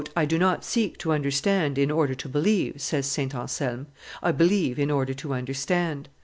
"I do not seek to understand in order to believe," says St. Anselm; "I believe in order to understand.